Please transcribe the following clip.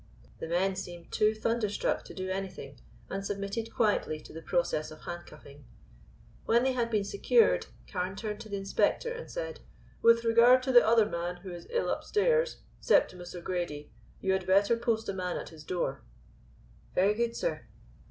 The men seemed too thunderstruck to do anything, and submitted quietly to the process of handcuffing. When they had been secured, Carne turned to the inspector and said: "With regard to the other man who is ill upstairs, Septimus O'Grady, you had better post a man at his door." "Very good, sir."